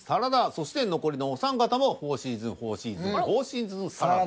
そして残りのお三方も「フォーシーズン」「フォーシーズン」「フォーシーズンサラダ」。